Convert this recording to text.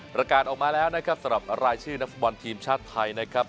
ประกาศออกมาแล้วนะครับสำหรับรายชื่อนักฟุตบอลทีมชาติไทยนะครับ